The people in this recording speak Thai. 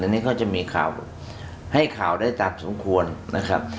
อันนี้ก็จะมีข่าวให้ข่าวได้ตามสมควรนะครับ